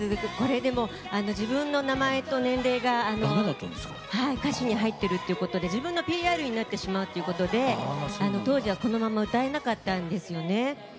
自分の名前と年齢が歌詞に入ってるということで自分のＰＲになってしまうということで当時はこのまま歌えなかったんですよね。